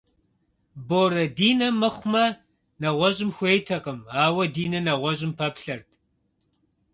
Борэ Динэ мыхъумэ, нэгъуэщӏым хуейтэкъым, ауэ Динэ нэгъуэщӏым пэплъэрт.